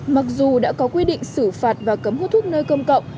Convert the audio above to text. mặc dù đã có quy định xử phạt và cấm hút thuốc nơi công cộng